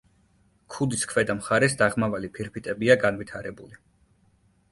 ქუდის ქვედა მხარეს დაღმავალი ფირფიტებია განვითარებული.